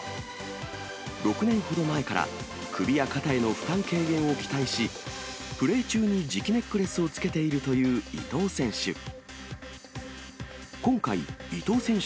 ６年ほど前から、首や肩への負担軽減を期待し、プレー中に磁気ネックレスをつけているという伊藤選手。